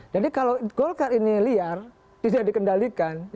jadi kalau golkar ini liar tidak dikendalikan